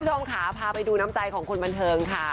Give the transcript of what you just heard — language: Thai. คุณผู้ชมค่ะพาไปดูน้ำใจของคนบันเทิงค่ะ